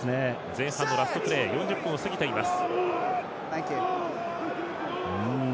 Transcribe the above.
前半のラストプレー４０分を過ぎています。